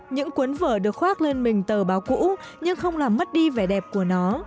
những cuốn vở được khoác lên mình tờ báo cũ nhưng không làm mất đi vẻ đẹp của nó